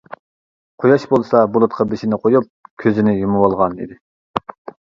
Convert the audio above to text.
قۇياش بولسا بۇلۇتقا بېشىنى قويۇپ، كۆزىنى يۇمۇۋالغان ئىدى.